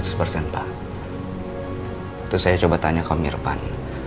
terus saya coba tanya ke om irvan